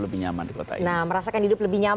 lebih nyaman di kota ini